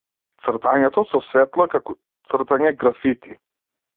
Цртањето со светло е како цртање графити.